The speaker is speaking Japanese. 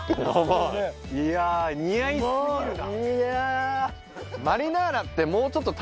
いや似合い過ぎるな。